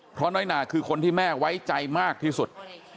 เพราะน้อยหนาคือคนที่แม่ไว้ใจมากที่สุด